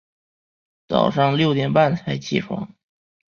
早上六点半才起床